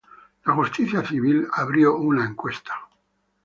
La justicia civil abrió una encuesta.